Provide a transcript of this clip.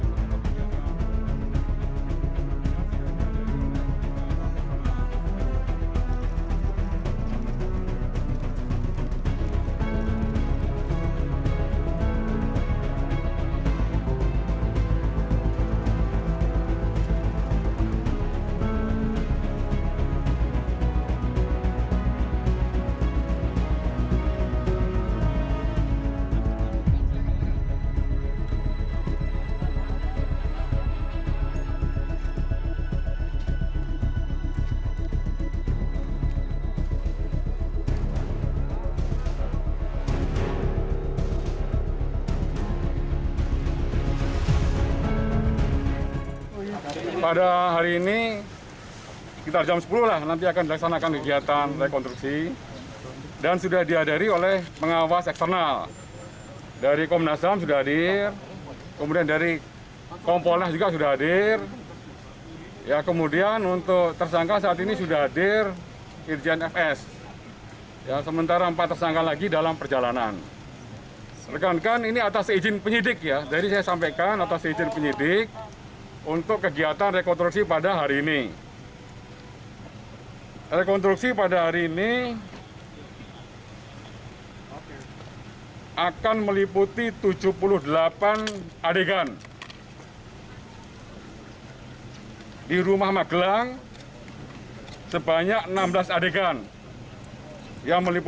jangan lupa like share dan subscribe channel ini untuk dapat info terbaru dari kami